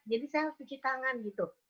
jadi saya harus cuci tangan gitu